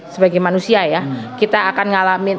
sebagai manusia ya kita akan ngalamin